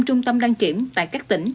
năm trung tâm đăng kiểm tại các tỉnh